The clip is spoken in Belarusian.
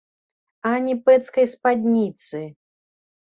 А не пэцкай спадніцы!